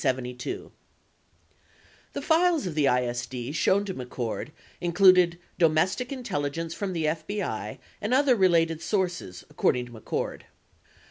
13 The files of the ISD shown to McCord included domestic intelli gence from the FBI and other related sources, according to McCord.